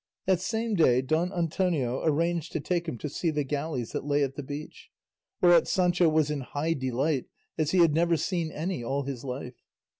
That same day Don Antonio arranged to take him to see the galleys that lay at the beach, whereat Sancho was in high delight, as he had never seen any all his life.